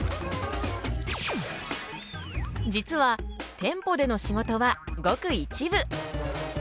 実は店舗での仕事はごく一部。